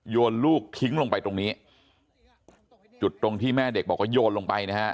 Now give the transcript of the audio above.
โยนลูกทิ้งลงไปตรงนี้จุดตรงที่แม่เด็กบอกว่าโยนลงไปนะฮะ